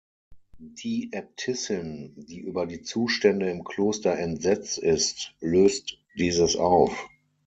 Die Äbtissin, die über die Zustände im Kloster entsetzt ist, löst dieses auf.